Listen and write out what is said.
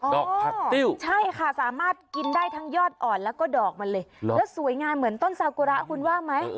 ดอกผักติ้วใช่ค่ะสามารถกินได้ทั้งยอดอ่อนแล้วก็ดอกมันเลยแล้วสวยงามเหมือนต้นซากุระคุณว่าไหม